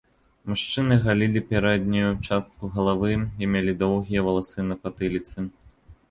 Мужчыны галілі пярэднюю частку галавы і мелі доўгія валасы на патыліцы.